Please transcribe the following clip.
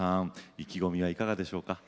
意気込みはいかがでしょうか。